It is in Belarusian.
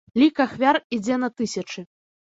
Лік ахвяр ідзе на тысячы.